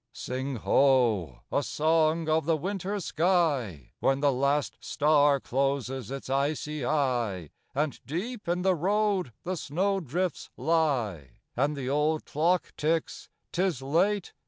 Sing, Ho, a song of the winter sky, When the last star closes its icy eye, And deep in the road the snow drifts lie, And the old clock ticks, "'Tis late!